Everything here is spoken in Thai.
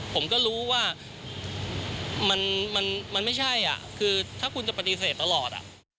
ผมก็รู้ว่ามันไม่ใช่คือถ้าคุณจะปฏิเสธตลอด